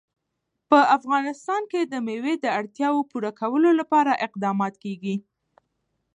په افغانستان کې د مېوې د اړتیاوو پوره کولو لپاره اقدامات کېږي.